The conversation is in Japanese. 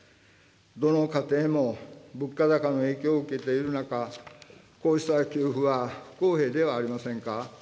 どの家庭も物価高の影響を受けている中、こうした給付は不公平ではありませんか。